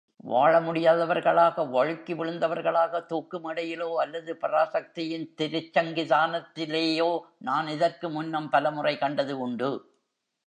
வாழமுடியாதவர்களாக, வழுக்கி விழுந்தவர்களாக, தூக்கு மேடையிலோ, அல்லது பராசக்தியின் திருச்சங்கிதானத்திலேயோ நான் இதற்கு முன்னம் பலமுறை கண்டது உண்டு.